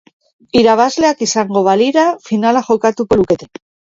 Irabazleak izango balira finala jokatuko lukete.